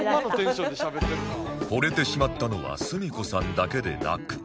ほれてしまったのは澄子さんだけでなく